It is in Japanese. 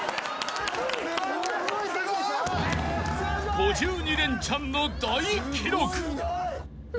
［５２レンチャンの大記録］